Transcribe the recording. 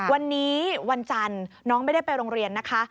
วันนี้วันจันทร์น้องไม่ได้ไปโรงเรียนนะคะ